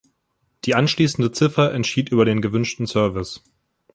Die anschließende Ziffer entschied über den gewünschten Service.